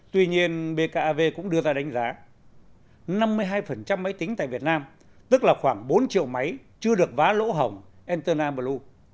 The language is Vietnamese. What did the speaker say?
tuy nhiên bkav cũng đưa ra đánh giá năm mươi hai máy tính tại việt nam tức là khoảng bốn triệu máy chưa được vá lỗ hồng antona blue